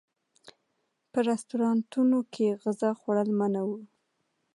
په رسټورانټونو کې غذا خوړل منع و.